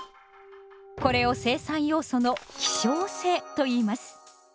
これを生産要素の希少性といいます。